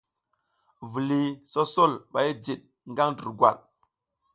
Viliy sosol ɓa jid ngaƞ durgwad.